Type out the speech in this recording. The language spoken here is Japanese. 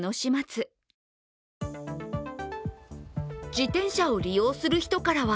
自転車を利用する人からは